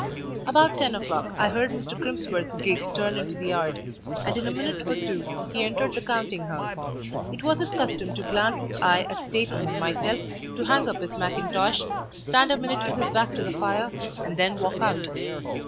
About ten o'clock I heard Mr. Crimsworth's gig turn into the yard, and in a minute or two he entered the counting house. It was his custom to glance his eye at Steighton and myself, to hang up his mackintosh, stand a minute with his back to the fire, and then walk out.